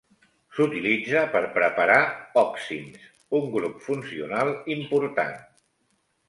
S'utilitza per preparar òxims, un grup funcional important.